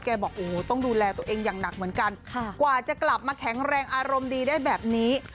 บอกโอ้โหต้องดูแลตัวเองอย่างหนักเหมือนกันกว่าจะกลับมาแข็งแรงอารมณ์ดีได้แบบนี้